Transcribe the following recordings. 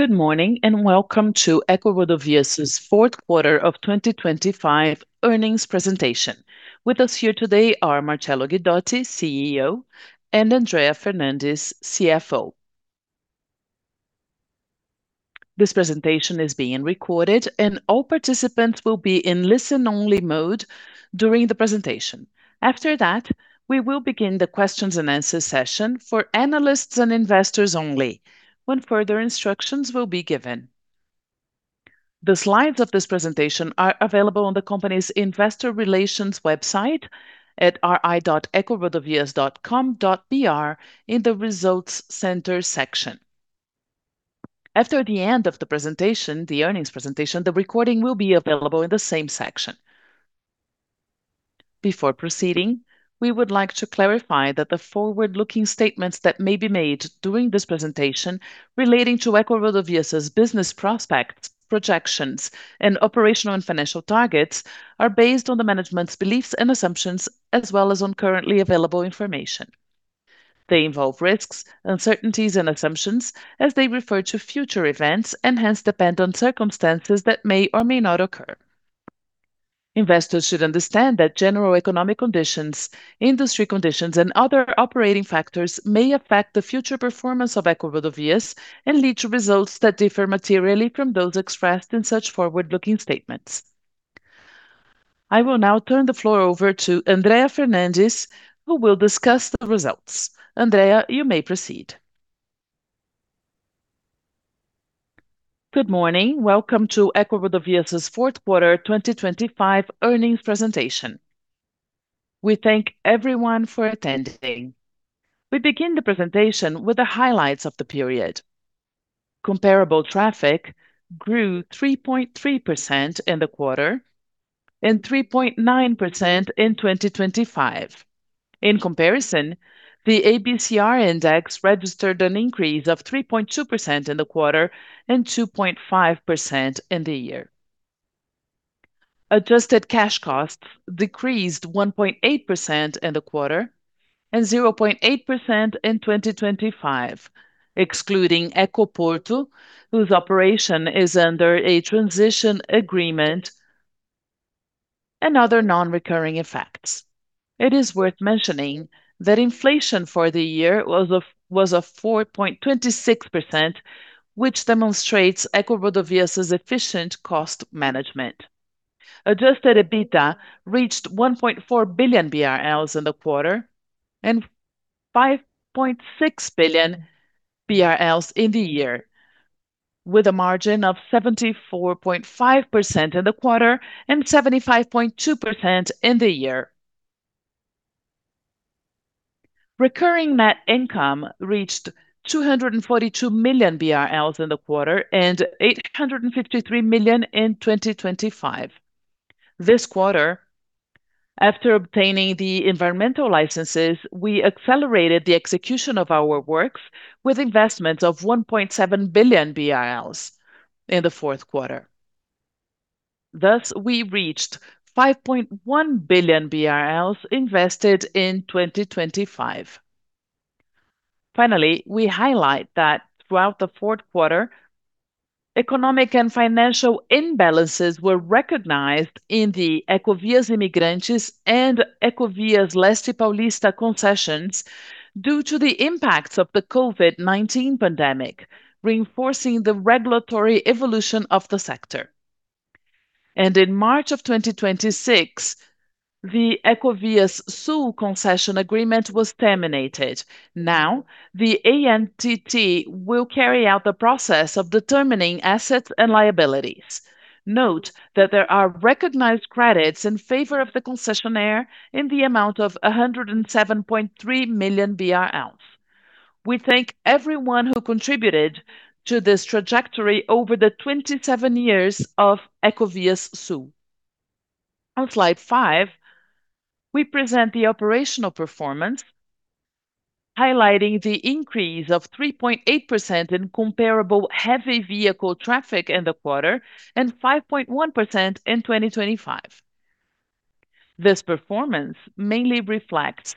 Good morning, and welcome to EcoRodovias' fourth quarter of 2025 earnings presentation. With us here today are Marcello Guidotti, CEO, and Andrea Fernandes, CFO. This presentation is being recorded, and all participants will be in listen-only mode during the presentation. After that, we will begin the questions and answer session for analysts and investors only, when further instructions will be given. The slides of this presentation are available on the company's investor relations website at ri.ecorodovias.com.br in the Results Center section. After the end of the presentation, the earnings presentation, the recording will be available in the same section. Before proceeding, we would like to clarify that the forward-looking statements that may be made during this presentation relating to EcoRodovias' business prospects, projections, and operational and financial targets are based on the management's beliefs and assumptions as well as on currently available information. They involve risks, uncertainties and assumptions as they refer to future events and hence depend on circumstances that may or may not occur. Investors should understand that general economic conditions, industry conditions, and other operating factors may affect the future performance of EcoRodovias and lead to results that differ materially from those expressed in such forward-looking statements. I will now turn the floor over to Andrea Fernandes, who will discuss the results. Andrea, you may proceed. Good morning. Welcome to EcoRodovias' fourth quarter 2025 earnings presentation. We thank everyone for attending. We begin the presentation with the highlights of the period. Comparable traffic grew 3.3% in the quarter and 3.9% in 2025. In comparison, the ABCR index registered an increase of 3.2% in the quarter and 2.5% in the year. Adjusted cash costs decreased 1.8% in the quarter and 0.8% in 2025, excluding Ecoporto, whose operation is under a transition agreement and other non-recurring effects. It is worth mentioning that inflation for the year was 4.26%, which demonstrates EcoRodovias' efficient cost management. Adjusted EBITDA reached 1.4 billion BRL in the quarter and 5.6 billion BRL in the year, with a margin of 74.5% in the quarter and 75.2% in the year. Recurring net income reached 242 million BRL in the quarter and 853 million in 2025. This quarter, after obtaining the environmental licenses, we accelerated the execution of our works with investments of 1.7 billion in the fourth quarter. Thus, we reached 5.1 billion BRL invested in 2025. Finally, we highlight that throughout the fourth quarter, economic and financial imbalances were recognized in the Ecovias Imigrantes and Ecovias Leste Paulista concessions due to the impacts of the COVID-19 pandemic, reinforcing the regulatory evolution of the sector. In March of 2026, the Ecovias Sul concession agreement was terminated. Now, the ANTT will carry out the process of determining assets and liabilities. Note that there are recognized credits in favor of the concessionaire in the amount of 107.3 million BRL. We thank everyone who contributed to this trajectory over the 27 years of Ecovias Sul. On slide five, we present the operational performance, highlighting the increase of 3.8% in comparable heavy vehicle traffic in the quarter and 5.1% in 2025. This performance mainly reflects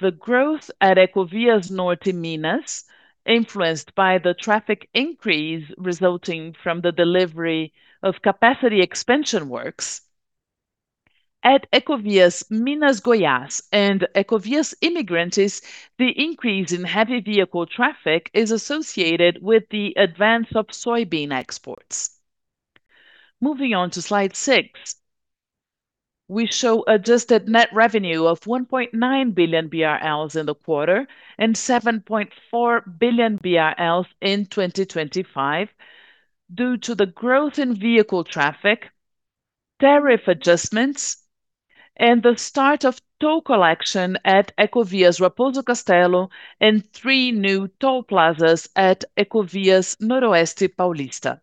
the growth at Ecovias Norte Minas, influenced by the traffic increase resulting from the delivery of capacity expansion works. At Ecovias Minas Goiás and Ecovias Imigrantes, the increase in heavy vehicle traffic is associated with the advance of soybean exports. Moving on to slide 6, we show adjusted net revenue of 1.9 billion BRL in the quarter and 7.4 billion BRL in 2025 due to the growth in vehicle traffic, tariff adjustments, and the start of toll collection at Ecovias Raposo Castello and three new toll plazas at Ecovias Noroeste Paulista.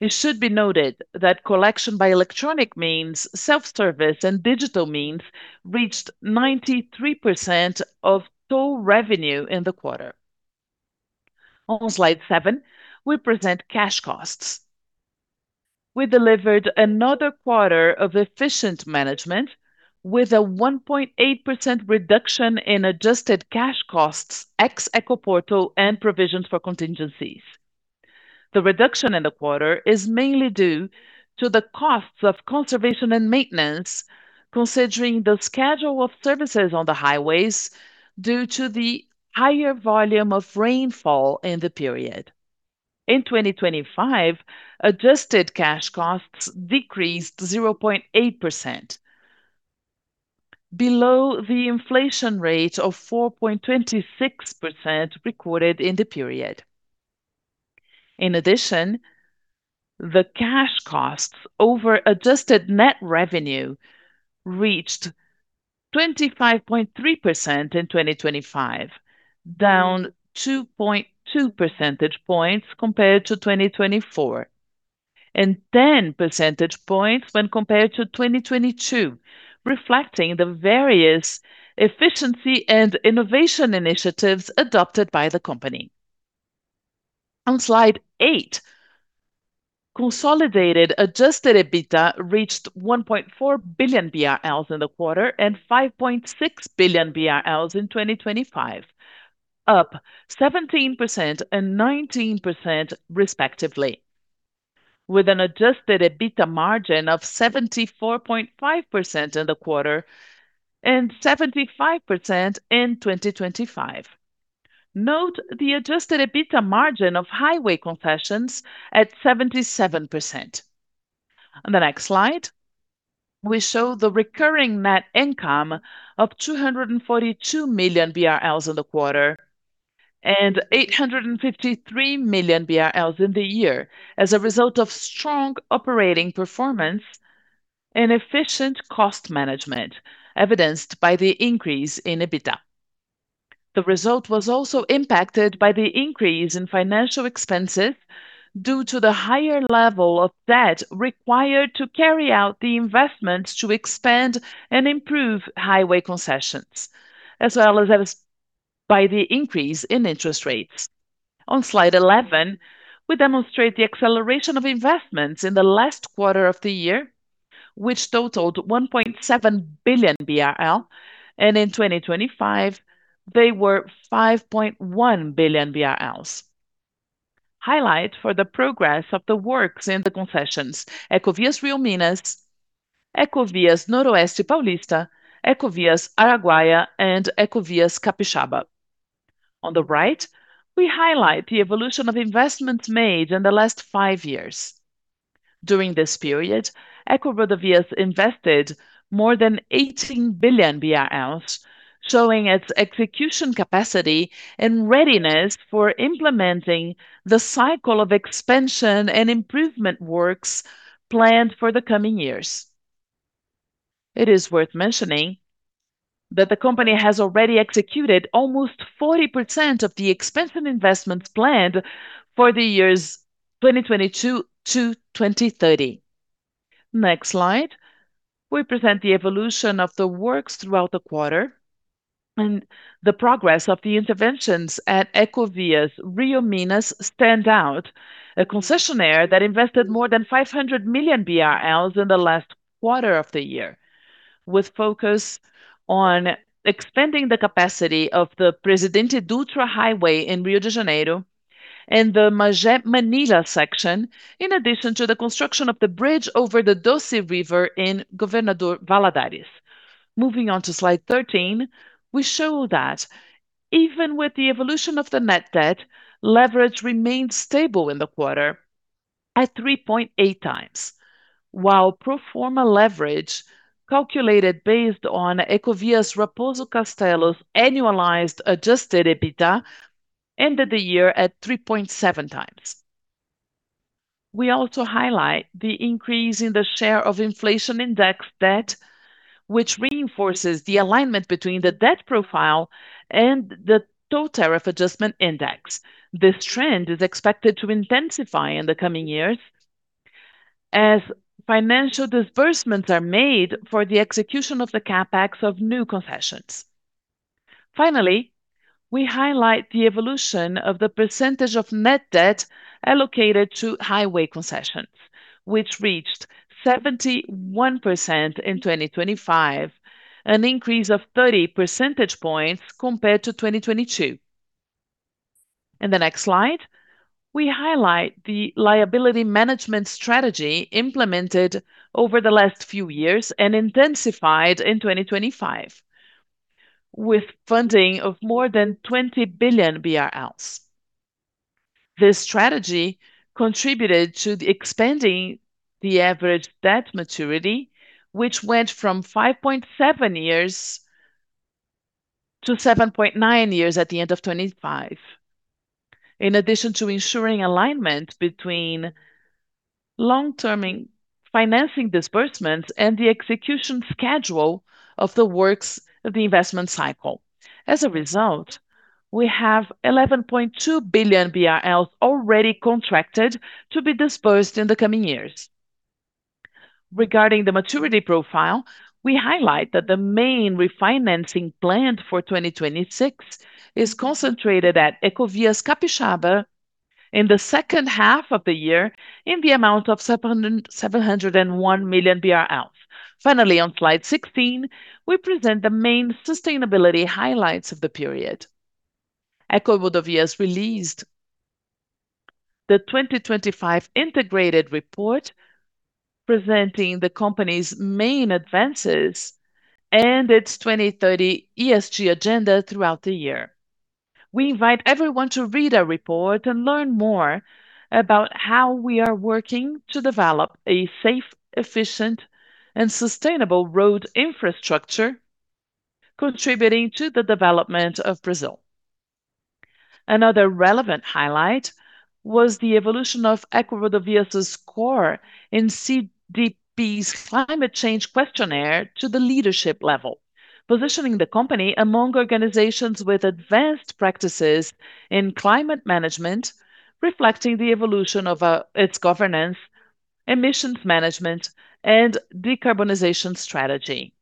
It should be noted that collection by electronic means, self-service and digital means reached 93% of toll revenue in the quarter. On slide 7, we present cash costs. We delivered another quarter of efficient management with a 1.8% reduction in adjusted cash costs ex Ecoporto and provisions for contingencies. The reduction in the quarter is mainly due to the costs of conservation and maintenance considering the schedule of services on the highways due to the higher volume of rainfall in the period. In 2025, adjusted cash costs decreased 0.8%, below the inflation rate of 4.26% recorded in the period. In addition, the cash costs over adjusted net revenue reached 25.3% in 2025, down 2.2 percentage points compared to 2024, and 10 percentage points when compared to 2022, reflecting the various efficiency and innovation initiatives adopted by the company. On slide eight, consolidated adjusted EBITDA reached 1.4 billion BRL in the quarter and 5.6 billion BRL in 2025, up 17% and 19% respectively, with an adjusted EBITDA margin of 74.5% in the quarter and 75% in 2025. Note the adjusted EBITDA margin of highway concessions at 77%. On the next slide, we show the recurring net income of 242 million BRL in the quarter and 853 million BRL in the year as a result of strong operating performance and efficient cost management, evidenced by the increase in EBITDA. The result was also impacted by the increase in financial expenses due to the higher level of debt required to carry out the investments to expand and improve highway concessions, as well as by the increase in interest rates. On slide 11, we demonstrate the acceleration of investments in the last quarter of the year, which totaled 1.7 billion BRL, and in 2025, they were 5.1 billion BRL. Highlight for the progress of the works in the concessions, Ecovias Rio Minas, Ecovias Noroeste Paulista, Ecovias do Araguaia, and Ecovias Capixaba. On the right, we highlight the evolution of investments made in the last five years. During this period, EcoRodovias invested more than 18 billion BRL, showing its execution capacity and readiness for implementing the cycle of expansion and improvement works planned for the coming years. It is worth mentioning that the company has already executed almost 40% of the expansion investments planned for the years 2022 to 2030. Next slide. We present the evolution of the works throughout the quarter, and the progress of the interventions at Ecovias Rio Minas stands out, a concessionaire that invested more than 500 million BRL in the last quarter of the year, with focus on expanding the capacity of the Presidente Dutra Highway in Rio de Janeiro and the Magé-Manilha section, in addition to the construction of the bridge over the Doce River in Governador Valadares. Moving on to slide 13, we show that even with the evolution of the net debt, leverage remained stable in the quarter at 3.8 times, while pro forma leverage, calculated based on Ecovias Raposo Castello's annualized adjusted EBITDA, ended the year at 3.7 times. We also highlight the increase in the share of inflation-indexed debt, which reinforces the alignment between the debt profile and the total tariff adjustment index. This trend is expected to intensify in the coming years as financial disbursements are made for the execution of the CapEx of new concessions. Finally, we highlight the evolution of the percentage of net debt allocated to highway concessions, which reached 71% in 2025, an increase of 30 percentage points compared to 2022. In the next slide, we highlight the liability management strategy implemented over the last few years and intensified in 2025 with funding of more than 20 billion BRL. This strategy contributed to expanding the average debt maturity, which went from 5.7 years to 7.9 years at the end of 2025. In addition to ensuring alignment between long-term financing disbursements and the execution schedule of the works of the investment cycle. As a result, we have 11.2 billion BRL already contracted to be disbursed in the coming years. Regarding the maturity profile, we highlight that the main refinancing planned for 2026 is concentrated at Ecovias Capixaba in the second half of the year in the amount of 701 million BRL. Finally, on slide 16, we present the main sustainability highlights of the period. EcoRodovias released the 2025 integrated report presenting the company's main advances and its 2030 ESG agenda throughout the year. We invite everyone to read our report and learn more about how we are working to develop a safe, efficient, and sustainable road infrastructure contributing to the development of Brazil. Another relevant highlight was the evolution of EcoRodovias' score in CDP's climate change questionnaire to the leadership level, positioning the company among organizations with advanced practices in climate management, reflecting the evolution of its governance, emissions management, and decarbonization strategy.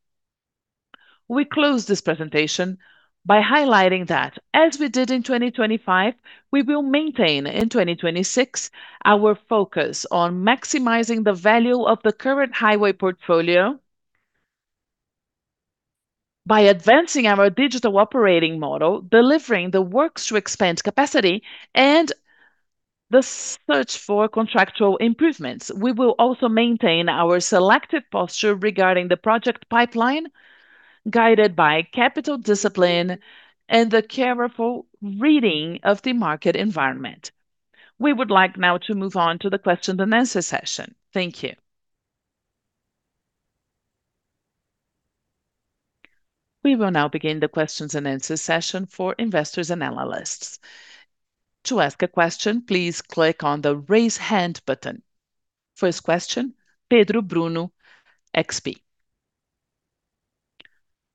We close this presentation by highlighting that as we did in 2025, we will maintain in 2026 our focus on maximizing the value of the current highway portfolio by advancing our digital operating model, delivering the works to expand capacity, and the search for contractual improvements. We will also maintain our selective posture regarding the project pipeline, guided by capital discipline and the careful reading of the market environment. We would like now to move on to the question and answer session. Thank you. We will now begin the questions and answers session for investors and analysts. To ask a question, please click on the Raise Hand button. First question, Pedro Bruno, XP.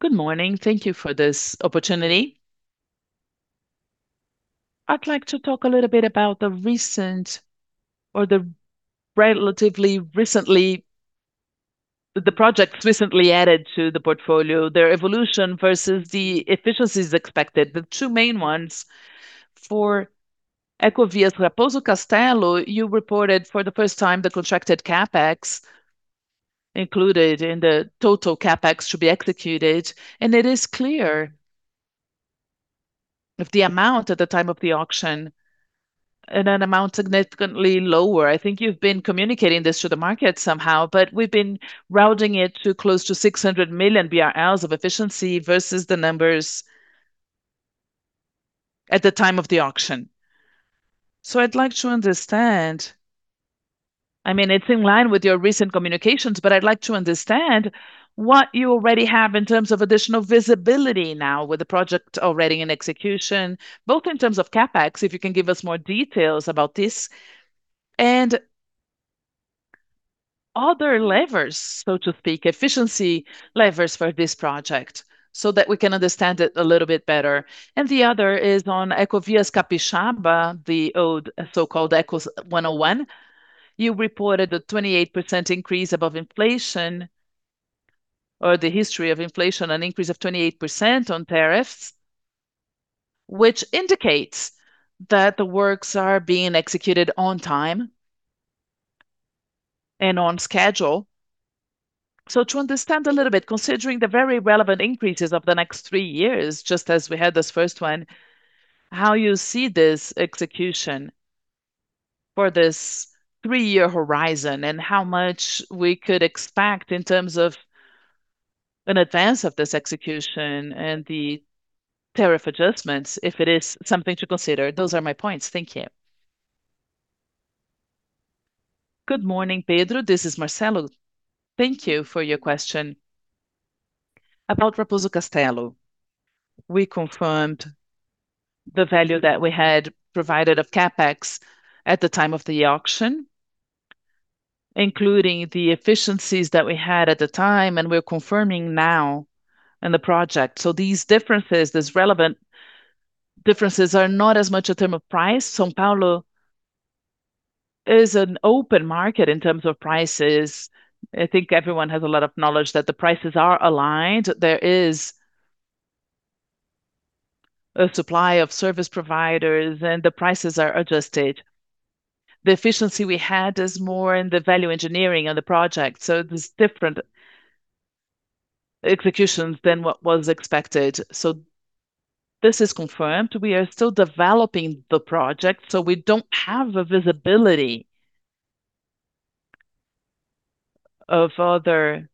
Good morning. Thank you for this opportunity. I'd like to talk a little bit about the projects recently added to the portfolio, their evolution versus the efficiencies expected. The two main ones for Ecovias Raposo Castello. You reported for the first time the contracted CapEx included in the total CapEx to be executed, and it is clear the amount is significantly lower than the amount at the time of the auction. I think you've been communicating this to the market somehow, but we've been putting it at close to 600 million BRL of efficiency versus the numbers at the time of the auction. I'd like to understand, I mean, it's in line with your recent communications, but I'd like to understand what you already have in terms of additional visibility now with the project already in execution, both in terms of CapEx, if you can give us more details about this and other levers, so to speak, efficiency levers for this project, so that we can understand it a little bit better. The other is on Ecovias Capixaba, the old so-called Eco101. You reported a 28% increase above inflation or the historical inflation, an increase of 28% on tariffs, which indicates that the works are being executed on time and on schedule. To understand a little bit, considering the very relevant increases of the next three years, just as we had this first one, how you see this execution for this three-year horizon, and how much we could expect in terms of an advance of this execution and the tariff adjustments, if it is something to consider. Those are my points. Thank you. Good morning, Pedro. This is Marcello. Thank you for your question. About Raposo Castello, we confirmed the value that we had provided of CapEx at the time of the auction, including the efficiencies that we had at the time, and we're confirming now in the project. These differences, these relevant differences, are not as much in terms of price. São Paulo is an open market in terms of prices. I think everyone has a lot of knowledge that the prices are aligned. There is a supply of service providers, and the prices are adjusted. The efficiency we had is more in the value engineering of the project, so there's different executions than what was expected. This is confirmed. We are still developing the project, so we don't have a visibility of other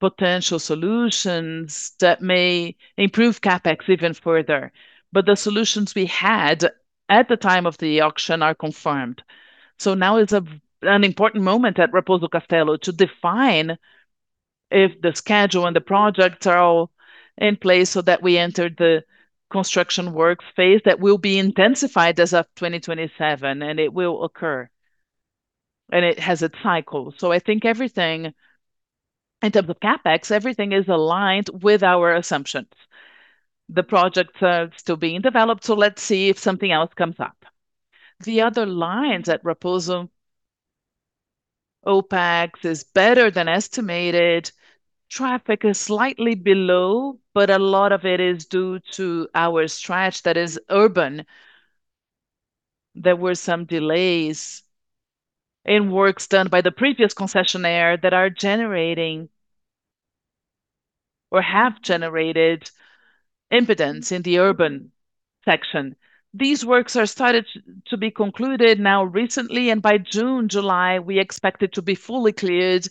potential solutions that may improve CapEx even further. The solutions we had at the time of the auction are confirmed. Now is an important moment at Raposo Castello to define if the schedule and the projects are all in place so that we enter the construction work phase that will be intensified as of 2027, and it will occur, and it has its cycle. I think everything. In terms of CapEx, everything is aligned with our assumptions. The project is still being developed, so let's see if something else comes up. The other lines at Raposo, OPEX is better than estimated. Traffic is slightly below, but a lot of it is due to our stretch that is urban. There were some delays in works done by the previous concessionaire that are generating or have generated impediments in the urban section. These works are started to be concluded now recently, and by June, July, we expect it to be fully cleared,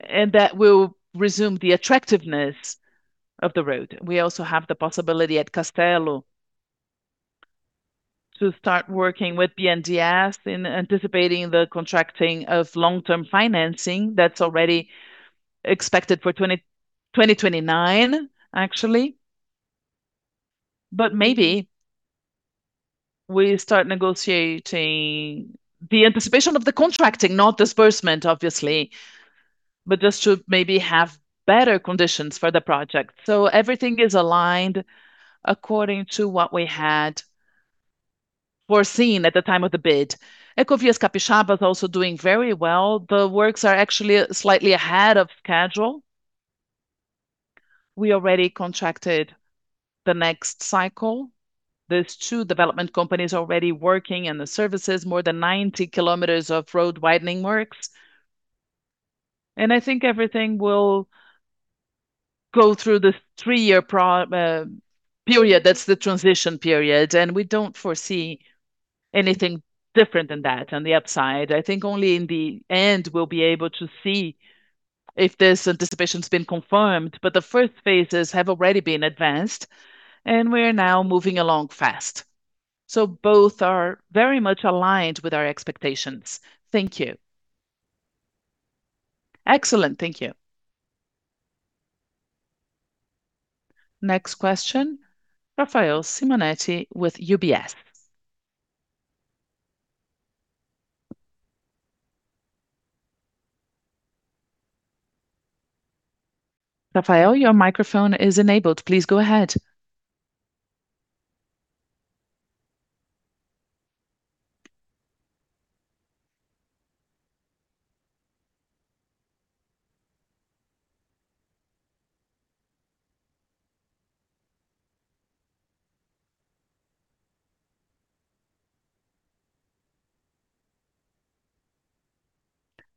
and that will resume the attractiveness of the road. We also have the possibility at Castello to start working with BNDES in anticipating the contracting of long-term financing that's already expected for 2029 actually. But maybe we start negotiating the anticipation of the contracting, not disbursement obviously, but just to maybe have better conditions for the project. Everything is aligned according to what we had foreseen at the time of the bid. Ecovias Capixaba is also doing very well. The works are actually slightly ahead of schedule. We already contracted the next cycle. There's two development companies already working in the services, more than 90 kilometers of road-widening works. I think everything will go through the three-year period. That's the transition period. We don't foresee anything different than that on the upside. I think only in the end we'll be able to see if this anticipation's been confirmed. The first phases have already been advanced, and we're now moving along fast. Both are very much aligned with our expectations. Thank you. Excellent. Thank you. Next question, Rafael Simonetti with UBS. Rafael, your microphone is enabled. Please go ahead.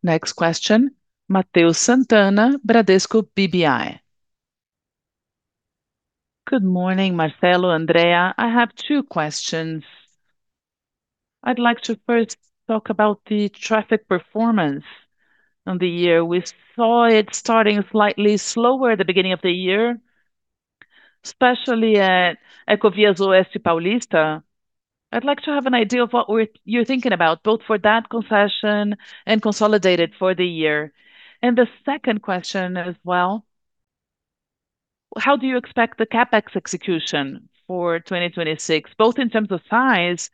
Next question, Matheus Sant'Anna, Bradesco BBI. Good morning, Marcello, Andrea. I have two questions. I'd like to first talk about the traffic performance on the year. We saw it starting slightly slower at the beginning of the year, especially at Ecovias Noroeste Paulista. I'd like to have an idea of what you're thinking about, both for that concession and consolidated for the year. The second question as well, how do you expect the CapEx execution for 2026, both in terms of size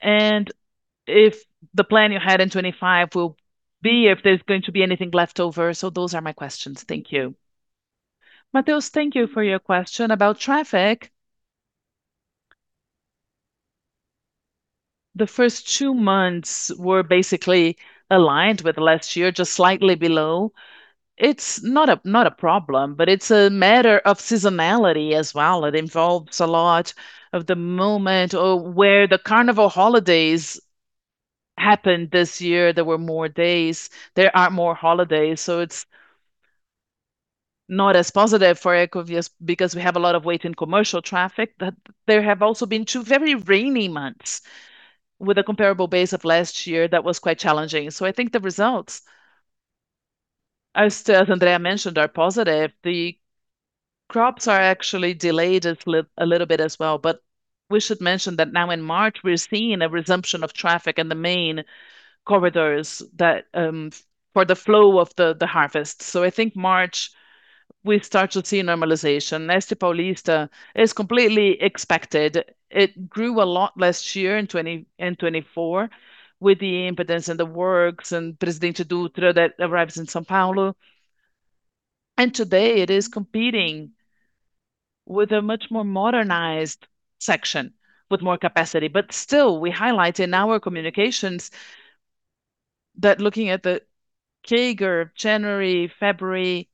and if the plan you had in 2025 will be, if there's going to be anything left over? So those are my questions. Thank you. Matheus, thank you for your question. About traffic, the first two months were basically aligned with last year, just slightly below. It's not a problem, but it's a matter of seasonality as well. It involves a lot of momentum or where the carnival holidays happened this year. There were more days. There are more holidays. It's not as positive for Ecovias because we have a lot of weight in commercial traffic. There have also been two very rainy months with a comparable base of last year that was quite challenging. I think the results, as Andrea mentioned, are positive. The crops are actually delayed a little bit as well, but we should mention that now in March, we're seeing a resumption of traffic in the main corridors that for the flow of the harvest. I think March we'll start to see normalization. Noroeste Paulista is completely expected. It grew a lot last year in 2024 with the impediments and the works and Presidente Dutra that arrives in São Paulo. Today it is competing with a much more modernized section with more capacity. Still, we highlight in our communications that looking at the CAGR, January, February,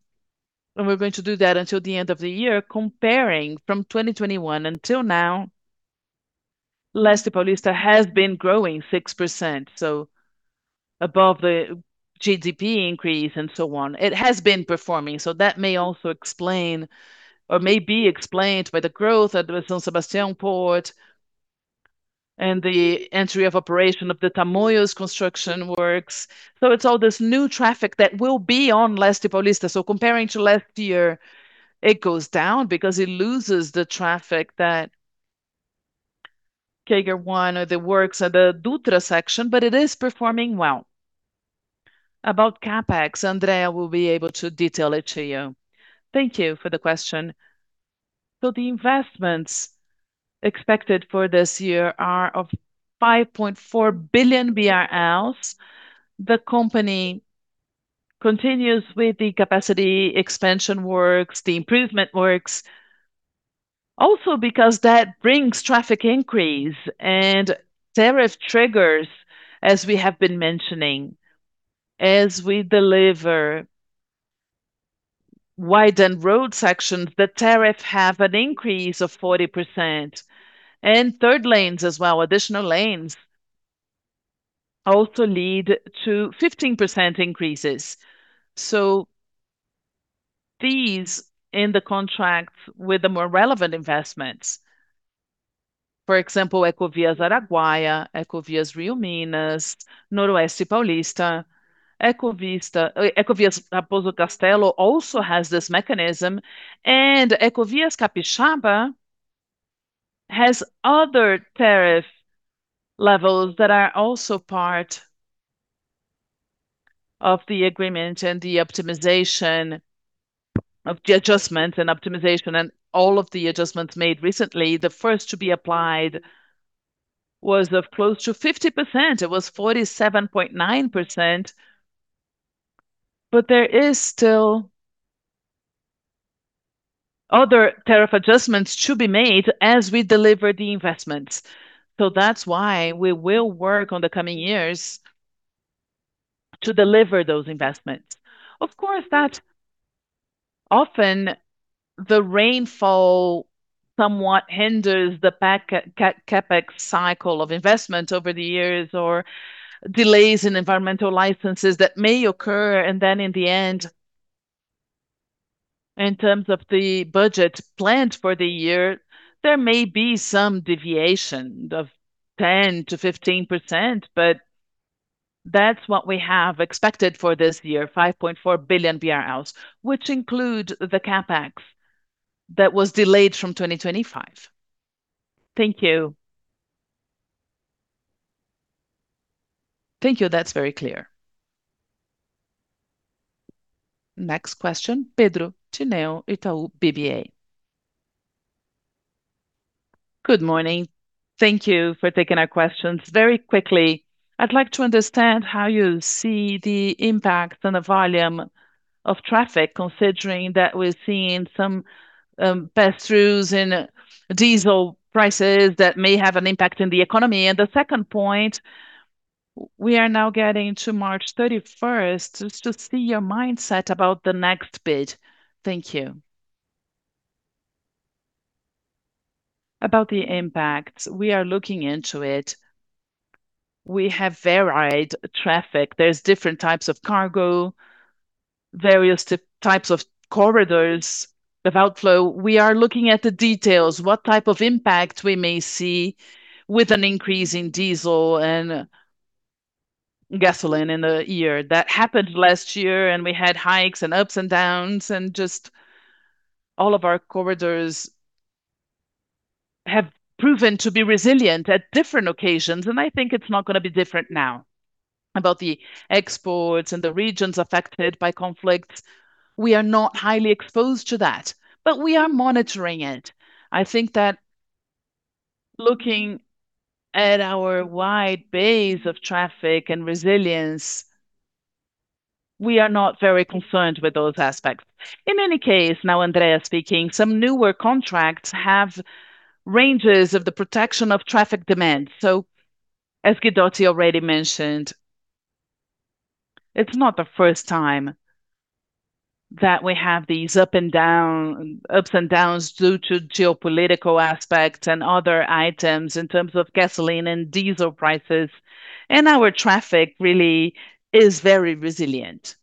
and we're going to do that until the end of the year, comparing from 2021 until now, Oeste Paulista has been growing 6%, so above the GDP increase and so on. It has been performing. That may also explain or may be explained by the growth at the São Sebastião Port and the entry of operation of the Tamoios construction works. It's all this new traffic that will be on Oeste Paulista. Comparing to last year, it goes down because it loses the traffic that CAGR won or the works at the Dutra section, but it is performing well. About CapEx, Andrea will be able to detail it to you. Thank you for the question. The investments expected for this year are of 5.4 billion BRL. The company continues with the capacity expansion works, the improvement works. Also because that brings traffic increase and tariff triggers, as we have been mentioning. As we deliver widened road sections, the tariff have an increase of 40%, and third lanes as well, additional lanes also lead to 15% increases. These in the contracts with the more relevant investments, for example, Ecovias do Araguaia, Ecovias Rio Minas, Ecovias Noroeste Paulista, Ecovias Raposo Castello also has this mechanism, and Ecovias Capixaba has other tariff levels that are also part of the agreement and the optimization of the adjustments and all of the adjustments made recently. The first to be applied was of close to 50%. It was 47.9%, but there is still other tariff adjustments to be made as we deliver the investments. That's why we will work on the coming years to deliver those investments. Of course, that often the rainfall somewhat hinders the pace of the CapEx cycle of investments over the years or delays in environmental licenses that may occur. In the end, in terms of the budget planned for the year, there may be some deviation of 10%-15%, but that's what we have expected for this year, 5.4 billion BRL, which include the CapEx that was delayed from 2025. Thank you. Thank you. That's very clear. Next question, Pedro Tineo, Itaú BBA. Good morning. Thank you for taking our questions. Very quickly, I'd like to understand how you see the impact on the volume of traffic, considering that we're seeing some pass-throughs in diesel prices that may have an impact in the economy. The second point, we are now getting to March 31st, just to see your mindset about the next bid. Thank you. About the impact, we are looking into it. We have varied traffic. There's different types of cargo, various types of corridors of outflow. We are looking at the details, what type of impact we may see with an increase in diesel and gasoline in the year. That happened last year and we had hikes and ups and downs and just all of our corridors have proven to be resilient at different occasions, and I think it's not gonna be different now. About the exports and the regions affected by conflicts, we are not highly exposed to that, but we are monitoring it. I think that looking at our wide base of traffic and resilience, we are not very concerned with those aspects. In any case, now Andrea speaking, some newer contracts have ranges of the protection of traffic demand. As Marcello Guidotti already mentioned, it's not the first time that we have these ups and downs due to geopolitical aspects and other items in terms of gasoline and diesel prices, and our traffic really is very resilient.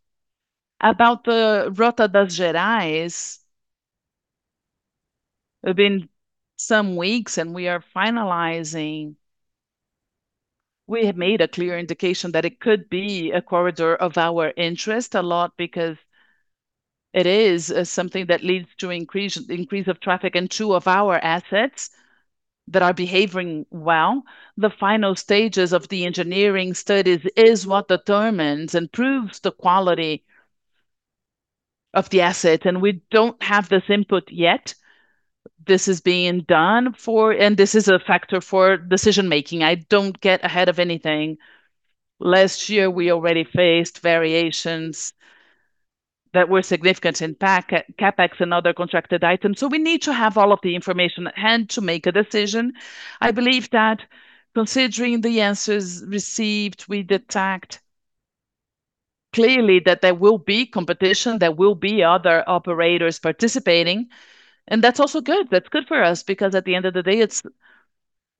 About the Rota dos Gerais, it's been some weeks and we are finalizing. We have made a clear indication that it could be a corridor of our interest a lot because it is something that leads to increase of traffic and two of our assets that are behaving well. The final stages of the engineering studies is what determines and proves the quality of the asset, and we don't have this input yet. This is being done for, and this is a factor for decision-making. I don't get ahead of anything. Last year, we already faced variations that were significant in CapEx and other contracted items. We need to have all of the information at hand to make a decision. I believe that considering the answers received, we detect clearly that there will be competition, there will be other operators participating, and that's also good. That's good for us because at the end of the day, it's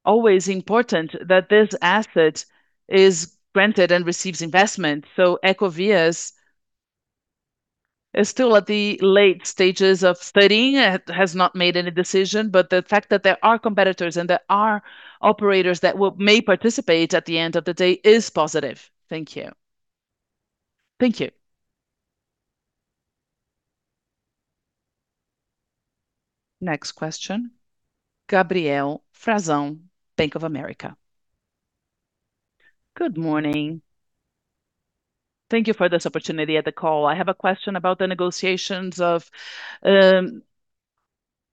always important that this asset is granted and receives investment. Ecovias is still at the late stages of studying. It has not made any decision, but the fact that there are competitors and there are operators that may participate at the end of the day is positive. Thank you. Thank you. Next question, Gabriel Frazão, Bank of America. Good morning. Thank you for this opportunity at the call. I have a question about the negotiations of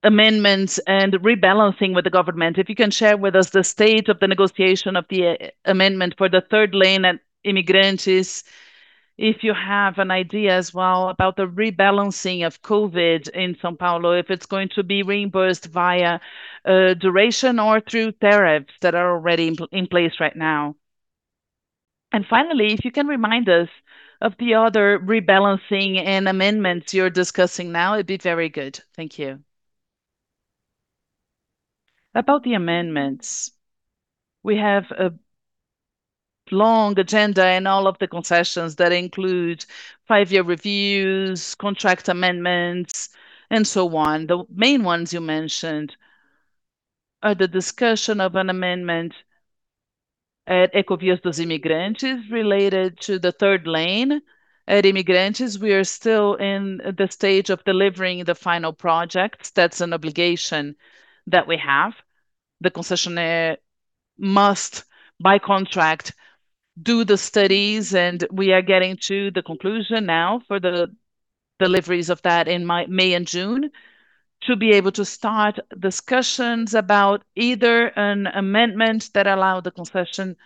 amendments and rebalancing with the government. If you can share with us the state of the negotiation of the amendment for the third lane at Imigrantes. If you have an idea as well about the rebalancing of COVID in São Paulo, if it's going to be reimbursed via a duration or through tariffs that are already in place right now. And finally, if you can remind us of the other rebalancing and amendments you're discussing now, it'd be very good. Thank you. About the amendments, we have a long agenda in all of the concessions that include five-year reviews, contract amendments, and so on. The main ones you mentioned are the discussion of an amendment at Ecovias dos Imigrantes related to the third lane at Imigrantes. We are still in the stage of delivering the final project. That's an obligation that we have. The concessionaire must, by contract, do the studies, and we are getting to the conclusion now for the deliveries of that in May and June, to be able to start discussions about either an amendment that allow the concession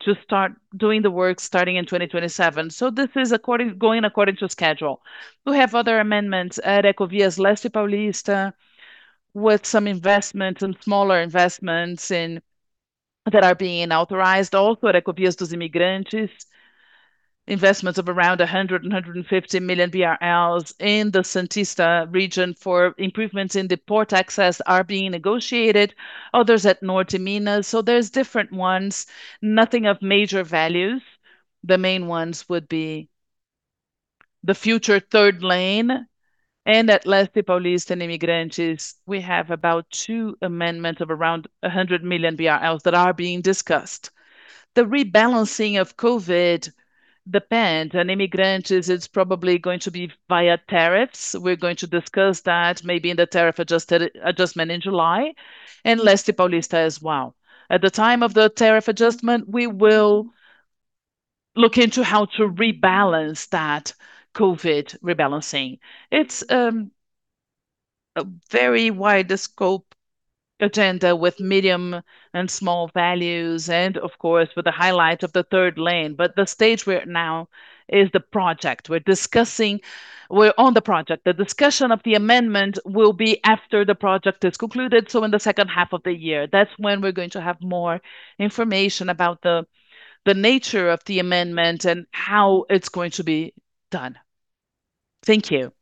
to start doing the work starting in 2027. This is according, going according to schedule. We have other amendments at Ecovias Leste Paulista with some investments, some smaller investments in that are being authorized. Also at Ecovias dos Imigrantes, investments of around 100-150 million BRL in the Santos region for improvements in the port access are being negotiated. Others at Ecovias Norte Minas. There's different ones. Nothing of major values. The main ones would be the future third lane and at Leste Paulista and Imigrantes, we have about two amendments of around 100 million BRL that are being discussed. The rebalancing of COVID depends. At Imigrantes, it's probably going to be via tariffs. We're going to discuss that maybe in the tariff adjustment in July, and Leste Paulista as well. At the time of the tariff adjustment, we will look into how to rebalance that COVID rebalancing. It's a very wide scope agenda with medium and small values and of course, with the highlight of the third lane, but the stage we're at now is the project. We're on the project. The discussion of the amendment will be after the project is concluded, in the second half of the year. That's when we're going to have more information about the nature of the amendment and how it's going to be done. Thank you.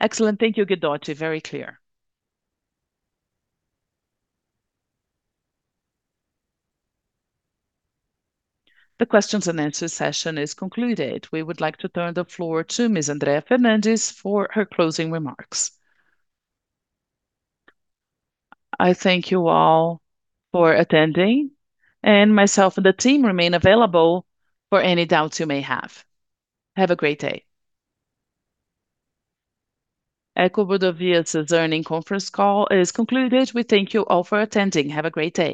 Excellent. Thank you, Guidotti. Very clear. The questions and answers session is concluded. We would like to turn the floor to Ms. Andrea Fernandes for her closing remarks. I thank you all for attending, and myself and the team remain available for any doubts you may have. Have a great day. Ecovias's earnings conference call is concluded. We thank you all for attending. Have a great day.